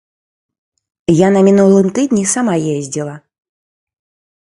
Я на мінулым тыдні сама ездзіла.